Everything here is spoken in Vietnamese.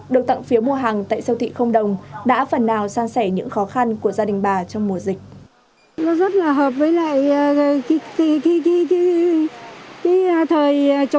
được tặng phiếu mua hàng tại siêu thị không đồng đã phần nào san sẻ những khó khăn của gia đình bà trong mùa dịch